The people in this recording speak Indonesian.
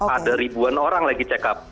ada ribuan orang lagi check up